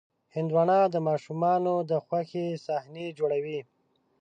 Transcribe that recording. هندوانه د ماشومانو د خوښې صحنې جوړوي.